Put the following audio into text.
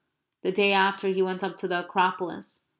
The day after he went up to the Acropolis.